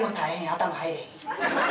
頭入れへん。